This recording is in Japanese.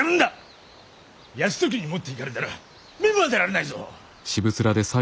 泰時に持っていかれたら目も当てられないぞ！